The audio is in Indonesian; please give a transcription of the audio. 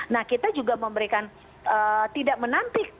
nah kita juga memberikan tidak menanti